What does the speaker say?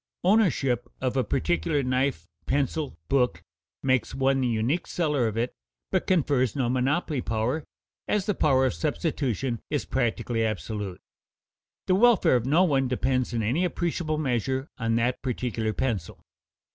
Ownership of a particular knife, pencil, book, makes one the unique seller of it, but confers no monopoly power, as the power of substitution is practically absolute; the welfare of no one depends in any appreciable measure on that particular pencil.